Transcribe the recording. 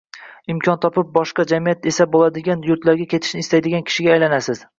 imkon topib boshqa – «jamiyat» desa bo‘ladigan yurtlarga ketishni istaydigan kishiga aylanasiz.